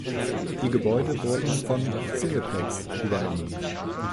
Die Gebäude wurden von Cineplex übernommen.